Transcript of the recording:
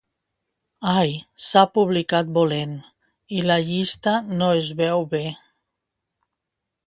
Ai, s'ha publicat volent i la llista no es veu bé.